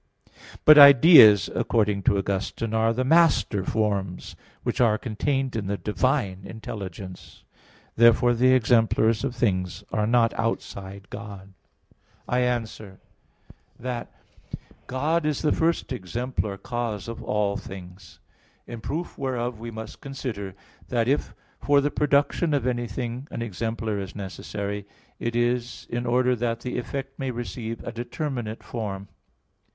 But ideas, according to Augustine (QQ. 83, qu. 46), are "the master forms, which are contained in the divine intelligence." Therefore the exemplars of things are not outside God. I answer that, God is the first exemplar cause of all things. In proof whereof we must consider that if for the production of anything an exemplar is necessary, it is in order that the effect may receive a determinate form.